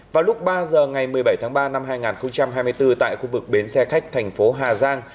vào lúc ba giờ ngày một mươi bảy tháng ba năm hai nghìn hai mươi bốn tại khu vực bến xe khách thành phố hà giang